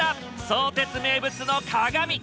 相鉄名物の鏡。